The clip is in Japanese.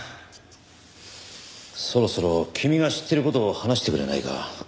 そろそろ君が知ってる事を話してくれないか？